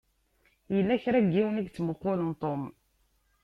Yella kra n yiwen i yettmuqqulen Tom.